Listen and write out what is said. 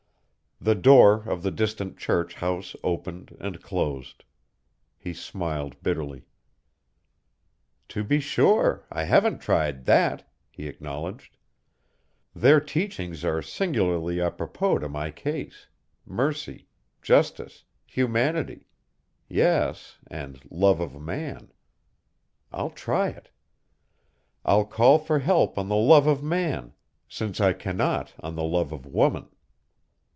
The door of the distant church house opened and closed. He smiled bitterly. "To be sure, I haven't tried that," he acknowledged. "Their teachings are singularly apropos to my case mercy, justice, humanity yes, and love of man. I'll try it. I'll call for help on the love of man, since I cannot on the love of woman.